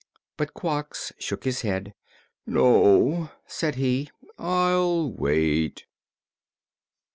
But Quox shook his head. "No," said he; "I'll wait."